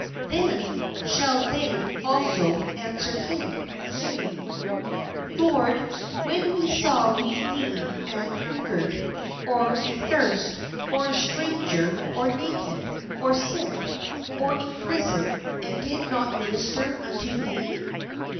Then shall they also an swer him, saying : THE SHEEP AND THE GOATS "Lord, when saw we thee an hungered, or athirst, or a stranger, or naked, or sick, or in pris on, and did not minister unto thee?"